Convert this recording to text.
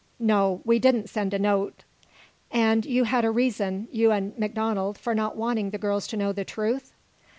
"No, we didn't send a note." "And you had a reason you and MacDonald for not wanting the girls to know the truth?"